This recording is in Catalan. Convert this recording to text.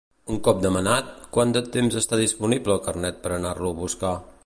Un cop demanat, quant de temps està disponible el carnet per anar-lo a buscar?